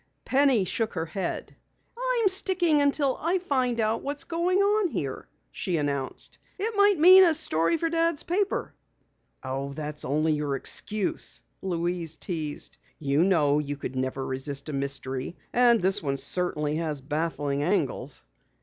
Penny shook her head. "I'm sticking until I find out what's going on here," she announced. "It might mean a story for Dad's paper!" "Oh, that's only your excuse," Louise teased. "You know you never could resist a mystery, and this one certainly has baffling angles."